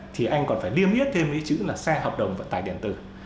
thì anh còn phải liêm yết thêm cái chữ là xe hợp đồng vận tải điện tử